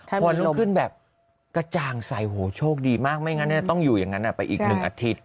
พอลุกขึ้นแบบกระจ่างใสโหโชคดีมากไม่งั้นต้องอยู่อย่างนั้นไปอีก๑อาทิตย์